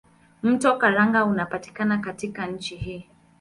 Mto Karanga unapita katika nchi hii.